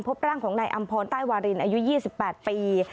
พบร่างของนายอำพรใต้วารินอายุ๒๘ปี